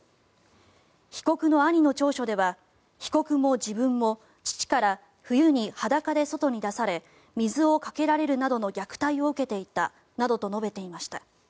被告の兄の調書では被告も自分も父から冬に裸で外に出され水をかけられるなどの虐待を受けていたなどと述べていました。